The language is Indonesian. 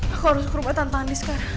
aku harus ke rumah tante anies sekarang